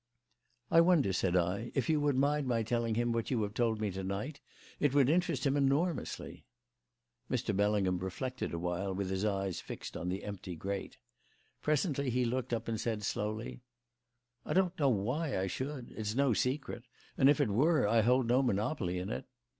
"I wonder," said I, "if you would mind my telling him what you have told me to night. It would interest him enormously." Mr. Bellingham reflected awhile with his eyes fixed on the empty grate. Presently he looked up, and said slowly: "I don't know why I should. It's no secret; and if it were, I hold no monopoly in it.